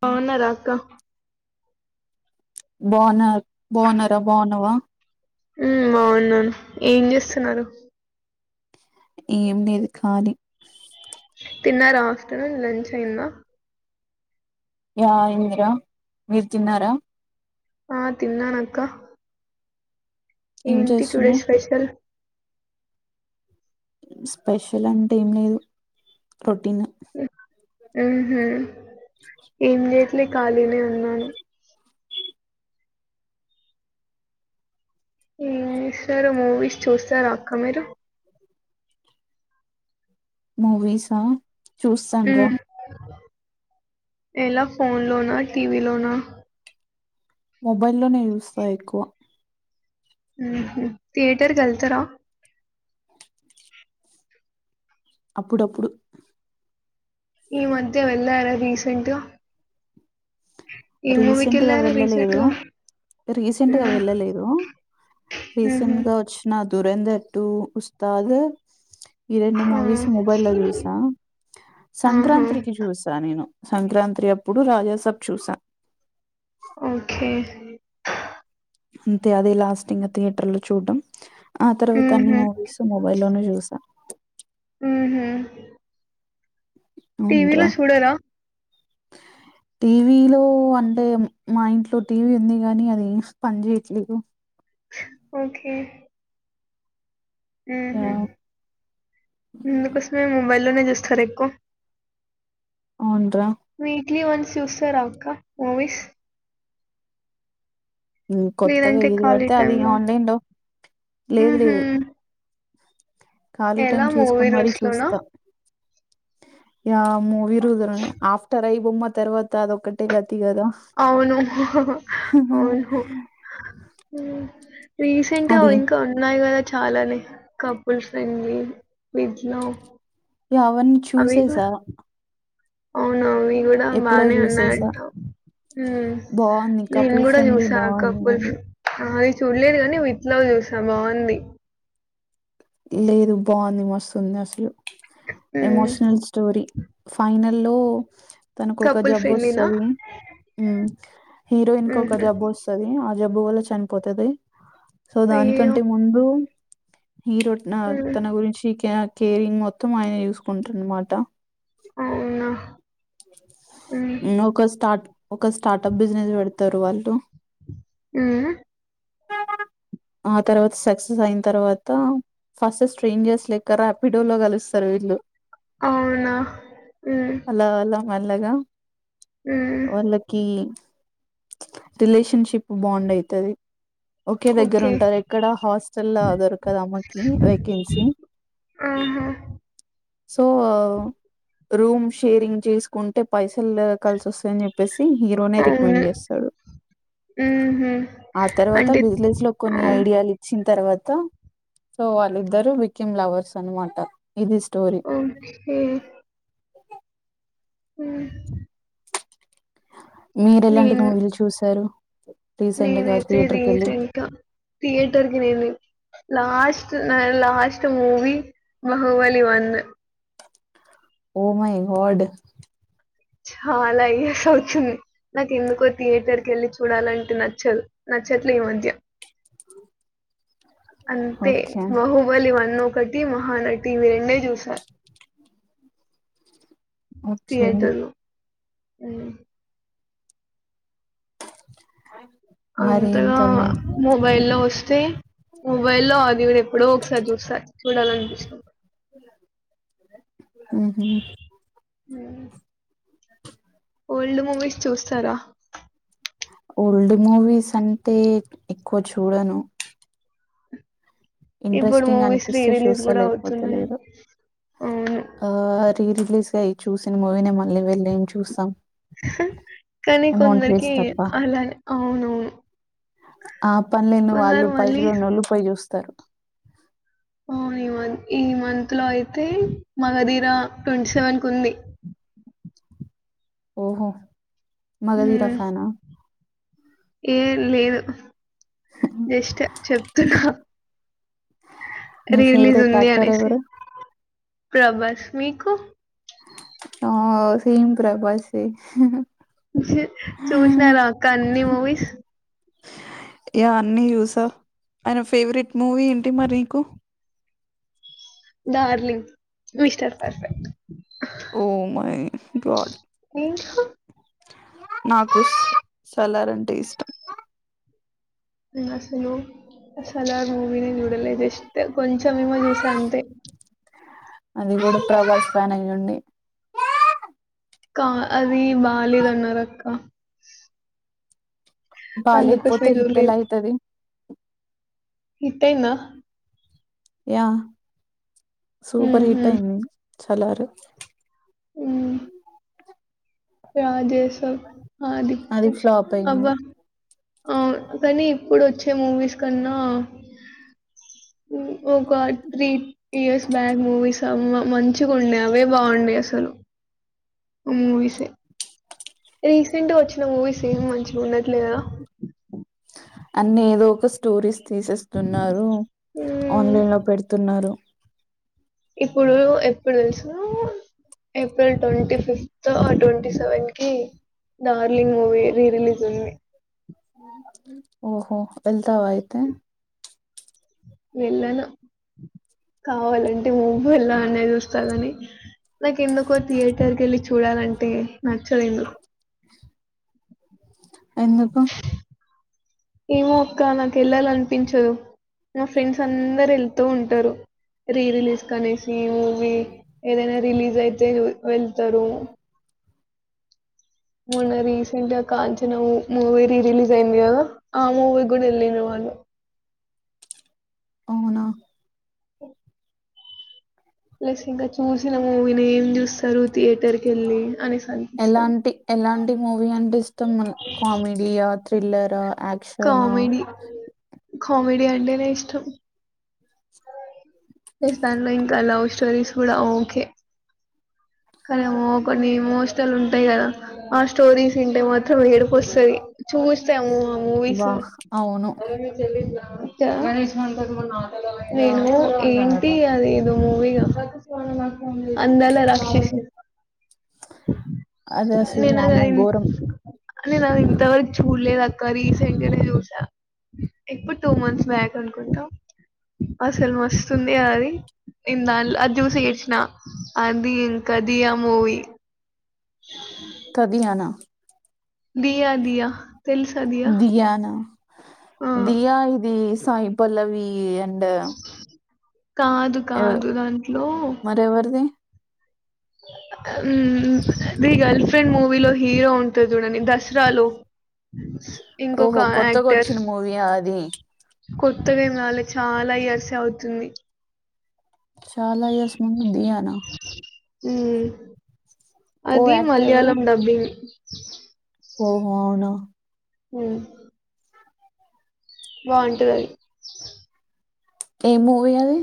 బావున్నరా అక్కా? బావున్నా బావున్నరా. బావున్నవా? హ్ బావున్నాను. ఏం చేస్తున్నరు? ఏం లేదు కాలీ. తిన్నరా ఆఫ్టర్నూన్ లంచ్ అయిందా. యా అయిందిరా. మీరు తిన్నారా? ఆ తిన్నాను అక్కా. ఏం ఏంటి టూడే చేస్తున్నావ్ స్పెషల్? స్పెషల్ అంటే ఏంలేదు. రొటీనే ఉహు ఏం చేయట్లేదు. ఖాళీనే ఉన్నాను. ఎంచేస్తరు? మూవీస్ చూస్తర అక్క మీరు? మూవీసా చూస్తను రా. ఉమ్ ఎలా ఫోన్ లోనా, టీవీ లోనా? మొబై లోనే యూస్తా ఎక్కువ ఉహు థియటర్ కి ఎల్తారా అప్పుడప్పుడు ఈ మధ్య వె ఎలార రీసెంట్ గా ఏ మూవీకి రీసెంట్గా వెళ్ళారు రీసెంట్ వెళ్ళలేదు గా రీసెంట్ గా ఉమ్ వెళ్ళలేదు ఉహు రీసెంట్ గా వచ్చిన దురందర్ టూ ఉస్తాద్ ఈ రెండు ఆ మూవీస్ మొబైల్ లో చూసా ఆహా సంక్రాంతికి చూసా నేను సంక్రాంతి అప్పుడు రాజాసబ్ చూశా ఓకే అంతే అదే లాస్ట్ ఇంగా థియేటర్ లో చూడ్డం. ఆ తర్వాత అన్ని ఉహు మూవీస్ మొబైల్ లోనే చూ స ఉహు అవున్రా టీవీలో చూడరా [inaudible] టీవీలో అంటే మా ఇంట్లో టీవీ ఉంది కానీ అది ఎశ్ పని చేయట్లేదు ఓకే ఆ ఉహు అందుకోసమే మోబైల్ లో నే చూస్తారా ఎక్కువ ఆవున్రా వీక్లీ వన్స్ చూస్త రా అక్క మూవీస్ కొత్తగా లేదంటే ఎది ఖాళీ పడితే అది టైమ్‌లో ఆన్లైన్ లో లేదు హుహు. లేదు ఖాళీ ఎలా టైమ్ మూవీ చెస్కొని మరీ రూల్స్‌లోనా? చూస్తా ఆ మూవిరుల్జ్లోనే ఆఫ్టర్ ఐ బొమ్మ తర్వాత అది ఒకటిగా అవును హ అవును రీసెంట్ గా అది ఇంకా ఉన్నాయి కదా చాలానే కపుల్ ఫ్రెండ్లీ మిడ్ లవ్ అవన్నీ చూసేసా అవున ఇవి కూడా ఎప్పుడో బానే ఉన్నాయి చూసేసా అంటా హు బాగుంది నీను కపుల్ కూడా ఫ్రెండ్లీ చూసా బాగుంది కాప్ మూవీ ఫే ఆ చూడలేదు కానీ విత్ లావ్ చూసా బాగుంది లేదు బాగుంది మస్తుంది అసలు ఉమ్. ఎమోషనల్ స్టోరీ ఫైనల్ లో తనకు ఒక కపుల్ జబ్బు ఫ్రెండ్లీనా వస్తుంది ఉ హీరోయిన్ కి ఒక ఉహు. జబ్బు వస్తది ఆ జబ్బు వల్ల చనిపోతది సో అయ్యో దానికంటే ముందు హీరో ఉమ్. తన గురించి కె కేరింగ్ మొత్తం ఆయన చూసుకుంటార అన్నమాట అవునా ఉమ్. ఒక స్టార్ట్ ఒక స్టార్టప్ బిజినెస్ పెడతారు వాళ్ళు ఉ ఆ తర్వాత సక్సెస్ అయిన తర్వాత ఫాస్ట్ చేయింజర్స్ లెక్క రాపిడోలో కలుస్తారు వీళ్ళు అవునా హు అలా అలా మెల్లగా వాళ్ళకి రిలేషన్ షిప్ బాండ్ అయితది ఒకే దగ్గర ఓకే ఉంటాది ఎక్కడ హాస్టల్ దొరకదు అమేకి వేకెన్సీ ఆహా సో రూమ్ షేరింగ్ చేసుకుంటే పైసలు కలిసి వస్తాయని చెప్ చెప్పేసి హీరోనే అవును రికమెండ్ చేస్తాడు ఉహు. ఆ తర్వాత అంటే బిజినెస్ లో ఆ, కొన్ని ఐడియాలు ఇచ్చి తర్వాత సో వాళ్ళ ఇద్దరు వికెమ్ లవర్స్ అన్న మాట ఇది ఇష్ట ఓ కే హు మీరు ఎలాంటి మూవీలు చూసారు రీసెంట్ నేన్ గా అయితే థియేటర్ కి వెళ్ళి రీసెంట్గా థియేటర్ కి వెళ్లి లాస్ట్ త్ [inaudible] last movie Baahubali one oh my god ఛాలా years అవుతుంది నాకు ఎందుకో థియేటర్ కి వెళ్ళి చూడాలంటే నచ్చదు నచ్చట్లే ఈ మజ్యా [unintelligible] అంతే ఓకే మహూబలి వన్ ఒకటి మహానటి ఇవి రెండే చూశా అఛ్చా అవ్ గదే అ [unintelligible] అంతగా మొబైల్ లో వస్తే మొబైల్లో అది ఇ [inaudible] ఎప్పుడో ఒకసారి చూస్తా చూడాల అనిపిస్తే ఊ హు హు [inaudible] ఓల్డ్ మూవీస్ చూస్తారా ఓల్డ్ మూవీస్ అంటే ఎక్ ఎక్కువ చూడను ఇప్పుడు ఇంట్రెస్టింగ్ మూవీస్ రీ అనిపిస్తే రిలీజ్ చూస్తా గూడా లేకపోతే అవుతున్నాయి. లేదు అవును. ఆ రీ రిలీజ్గా అయ్యే చూసిన మూవీ నే మళ్ళీ వెళ్ళేం చూస్తాం హ్ కానీ అమౌంట్ కొందరికి వేస్ట్ తప్ప. అలానే అవునూ ఆ పన్ లేనీ వాళ్ళు పైసల ఉన్నోఒళ్ళు పోయి చూస్తారు అవును ఇ మంత ఈ మంత్ లో అయితే మగధీర ట్వంటీ సెవెన్ కు ఉంది ఓహో మగథీర ఫ్యానా ఏం లేదు జస్ట్ చెప్తున్నా హ మీ రిలీజ్ ఫేవరెట్ ఉంది యాక్టర్ అనేసి ఎవరు? ప్రభాస్ మీకు ఆ సేమ్ ప్రభాయిసే [inaudible] [inaudible] చూషినార అక్క అన్ని మూవీస్ ఎ అన్నిీ చూసా ఆయన ఫేవరెట్ మూవీ ఏంటి మరి నీకు darling mister perfect oh my god మీకు? నాకు సలర్ అంటే ఇష్టం [inaudible] అసలు సలార్ మూవీని చూడలే జస్ట్ కొంచెంమ్ ఎమో చూసా అంతే అది కూడా ప్రభాస్ ఫ్యాన్ అయి ఉండి కా అది బాగాలేద అన్నారు అక్క బాలేక్ పోతే హిట్ ఎలా చూడలేదు. అయితది హిట్ట్ అయిందా యా సూపర్ హుహు. హిట్ అయింది ఛలారు మ్ రాదేశంమ్ ఆది అది ఫ్లాప్ అయింది అబ్బ్వ అవును కానీ ఇప్పుడు వచ్చే మూవీస్ కన్నా ఒక త్రీ ఇయర్స్ బ్యాక్ మూవీస్ మంచిగా ఉండ్నే అవే బావుండి అసలు ఉమ్ మూవీసే రీసెంట్ గా వచ్చిన మూవీస్ ఏమి మంచిగా ఉన్న ట్లేదా అన్ని ఏదో ఒక స్టోరీస్ చేసేస్తు ఉన్నారు హ్మ్. ఆన్లైన్ లో పెడుతున్నారు ఇప్పుడు ఎప్పుడో తెలుసా ఏప్రిల్ ట్వంటి ఫిఫ్త్ ఆ ట్యంటి సెవెన్ కి డార్లింగ్ మూవిీ రి రిలీస్ ఉంది ఓహో వెళ్తావ అయితే వెళ్ళను కావాలంటే నువ్వు వెళ్ళాలి. నే చూస్తా గాని నాకు ఎందుకో థియెటర్కి ఎళ్ళి. చూడాలంటే నచ్చలేదు. ఎందుకు ఏమో అక్క నాకు ఎళ్ళాలనిపించదు. నా ఫ్రెండ్స్ అందరు ఎళ్తూ ఉంటారు. రీ రిలీజ్ కనేసి మూవీ ఏదైనా రిలీజ్ అయితే వు వెళ్తారు. మొన్న రీసెంట్ గ కాంచన మూ మూవి రీ రిలీజ్ అయింది కదా ఆ మూవి గూడా ఎల్లేరు వాల్. అవునా ప్లస్ ఇంక చూసిన మూవీనే ఏం చూస్తారు థియేటర్ కి వెళ్ళి అని. ఎలాంటి ఎలాంటి మూవీ అంటే ఇష్టం మళ్ళ కామెడీయా త్రిల్లరా. కామెడి కామెడి అంటేనే ఇష్టం. ఎస్తాన్లో ఇంకా లవ్ స్టోరీస్ కూడా ఓకే కన్నేమో కొన్ని ఎమోషనల్ ఉంటాయ్ కదా ఆ స్టోరీస్ ఇంటే మాత్రం ఎడుపువస్తాది. చూసాము ఆ మూవీస్. వా అవును అచా నేను ఏంటి అది ఏదో మూవీగా. అందాల రాక్షసి అదే అసలు నేన వామ్మో అదిమ్ ఘోరం నేను అది ఇంతవరకు చూల్లేదక్క రీసెంట్ గానే చూసా. ఎప్పుడ్ టూ మంత్స్ బ్యాక్ అనుకుంట. అసలు మస్తుంది కద అది ఇనాళ్ళు అది జూసి ఏడ్చిన అదీ. కదీ ఆ మూవీ కదియన. దియా దియా తెలుసా దియా దియానా ఆ దియా ఇదిస్ సాయి పల్లవి అండ్ కాదు కాదు దాంట్లో మరెవరిది ఉమ్మ్ అది గర్ల్ ఫ్రెండ్ మూవీలో హీరో ఉంటడ్ చూడండి దస్రాలో. ఓహో కొత్తగా వచ్చిన మూవీయా అది. కొత్తగా ఏం రాలే చాలా ఇయర్సె అవుతుంది. చాలా ఇయర్స్ ముందు దియానా ఉమ్మ్ కో అది యాక్టర్ ఎవరు మలయాళం డబ్బింగ్ ఓహో అవునా హ్మ్మ్ బావుంటదది. ఏ మూవీ అది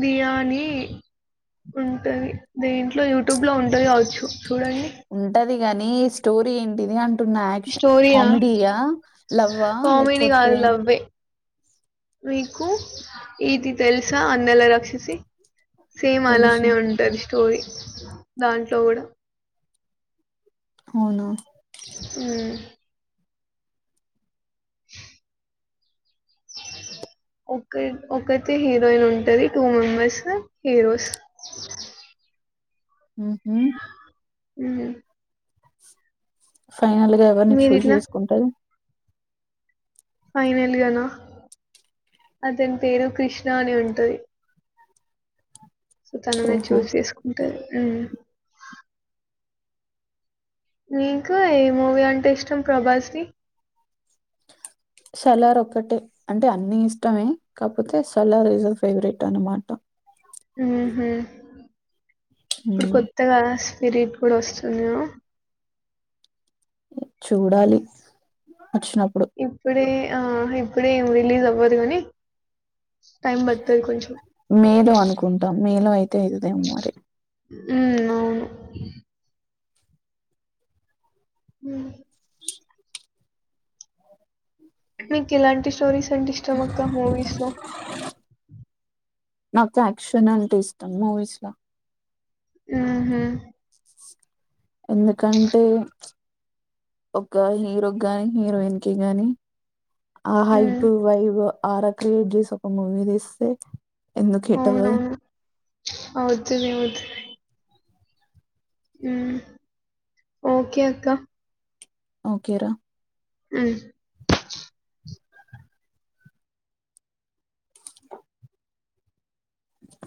బియానీ ఉంటంది దీట్లో యూట్యూబ్ లో ఉంటంది గావచ్చు చూడు అది ది గానీ స్టోరీ ఏంటిది అ ట్టునా యాక్షన్ స్టోరీయా కామెడియా లవ్వా కామెడీ లేపొతే కాదు లవ్వే మీకు ఇది తెలుస అందాల రాక్షసి సేమ్ తెలుసు అలానే ఉంటది స్టోరీ దాంట్లో గూడా అవునా హ్మ్మ్ ఒక్క ఒకటే హీరోయిన్ ఉంటది టూ మెంబర్స్ హీరోస్ ఉహుమ్ హ్మ్ ఫైనల్ గా ఎవరిని మీరు చూజ్ ఇట్లా చేసుకుంటది. ఫైనల్గానా అతని పేరు కృష్ణ అని ఉంటది. సో తననే ఓహో చూస్ చేసుకుంటది. నీకు ఏ మూవీ అంటే ఇష్టం ప్రభాస్ ది సలార్ ఒక్కటే అంటే అన్ని ఇష్టమే కాకపోతే సలార్ ఇజ్ ఫేవరెట్ అనమాట ఊహుం ఇప్పుడు మ్, కొత్తగా అస్ మిరిట్ కూడా వస్తున్నా చూడాలి. వచ్చినప్పుడు ఇప్పుడే ఆ ఇప్పుడే ఏం రీలీజ్ అవ్వదు. గానీ టైమ్ బడుతది కొంచెం తేజ్ దేమో మరి ఉమ్ అవును హ్మ్ మీకు ఇలాంటి స్టోరీస్ అంటే ఇష్టం అక్క మూవీస్ లో నాకు యాక్షన్ అంటే ఇష్టం మూవీస్ ల ఊహుం ఎందుకంటే చ్చ్ ఒక్క హీరోకి గానీ హీరోయిన్ కి గాని ఆహా ఉమ్ ఇప్ వైబ్ ఆర క్రియట్ చేసి ఒక మూవీ తీస్తే ఎందుకు హిట్ అవ్వదు అవునవును ఆ వచ్చిందివచ్చింది. ఉమ్ ఓకే అక్కా ఓకేరా మ్ ఆ